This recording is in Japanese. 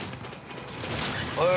はい！